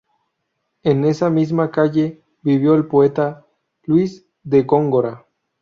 En esa misma calle vivió el poeta Luis de Góngora.